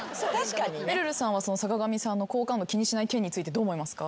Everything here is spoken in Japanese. めるるさんは坂上さんの好感度気にしない件についてどう思いますか？